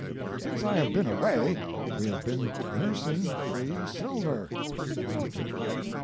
] "Since I have been away we have been nursing free silver. [Laughter.